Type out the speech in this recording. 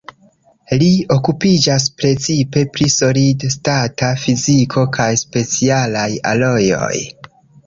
Li okupiĝas precipe pri solid-stata fiziko kaj specialaj alojoj.